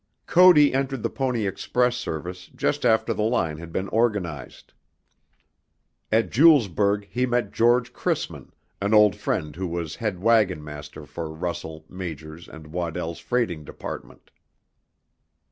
Cody entered the Pony Express service just after the line had been organized. At Julesburg he met George Chrisman, an old friend who was head wagon master for Russell, Majors, and Waddell's freighting department.